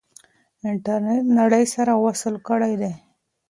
انټرنیټ نړۍ سره وصل کړې ده.